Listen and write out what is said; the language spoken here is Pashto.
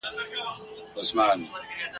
نن پخپله د ښکاري غشي ویشتلی !.